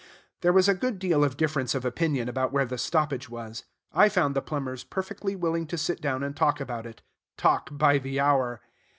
There was a good deal of difference of opinion about where the stoppage was. I found the plumbers perfectly willing to sit down and talk about it, talk by the hour.